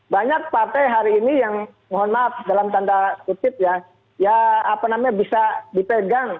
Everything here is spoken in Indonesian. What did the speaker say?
banyak partai hari ini yang mohon maaf dalam tanda kutip ya ya apa namanya bisa dipegang